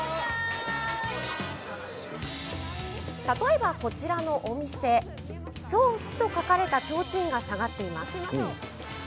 例えば、こちらのお店ソースと書かれたちょうちんが下がっています。